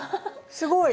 すごい！